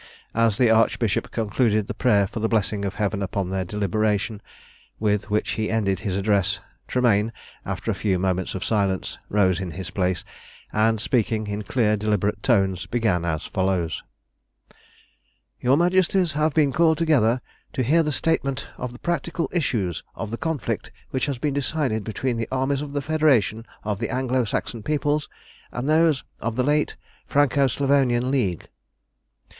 As the Archbishop concluded the prayer for the blessing of Heaven upon their deliberation, with which he ended his address, Tremayne, after a few moments of silence, rose in his place and, speaking in clear deliberate tones, began as follows: "Your Majesties have been called together to hear the statement of the practical issues of the conflict which has been decided between the armies of the Federation of the Anglo Saxon peoples and those of the late Franco Slavonian League.